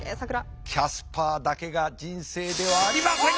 キャスパーだけが人生ではありません。